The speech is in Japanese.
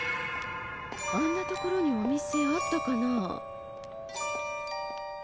あんな所にお店あったかな？